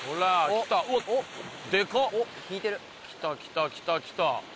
来た来た来た来た。